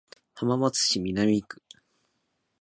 浜松市南区